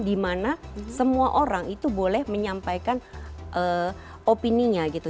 dimana semua orang itu boleh menyampaikan opini nya gitu